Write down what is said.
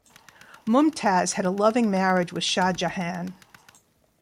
Mumtaz had a loving marriage with Shah Jahan.